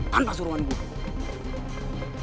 tanpa suruhan boy